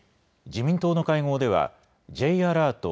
自民党の会合ではＪアラート